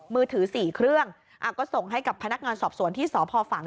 มือถือ๔เครื่องก็ส่งให้กับพนักงานสอบสวนที่สพฝัง